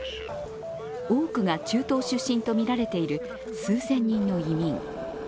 多くが中東出身とみられている数千人の移民。